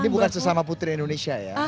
ini bukan sesama putri indonesia ya